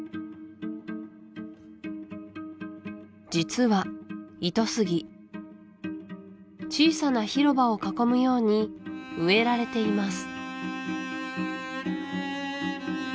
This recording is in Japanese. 実はイトスギ小さな広場を囲むように植えられています